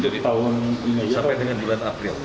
dari tahun ini sampai dengan bulan april